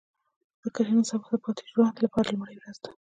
ځکه چې نن ستا د پاتې ژوند لپاره لومړۍ ورځ ده.